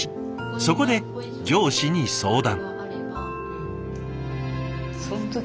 そこで上司に相談。